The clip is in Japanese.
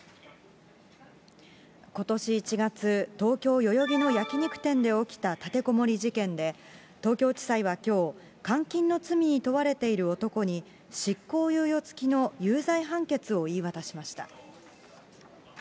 ことし１月、東京・代々木の焼き肉店で起きた立てこもり事件で、東京地裁はきょう、監禁の罪に問われている男に執行猶予付きの有罪判決を言い渡しました。